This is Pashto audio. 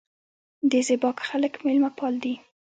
د زیباک خلک میلمه پال دي